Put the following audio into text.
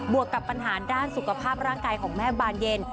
วกกับปัญหาด้านสุขภาพร่างกายของแม่บานเย็น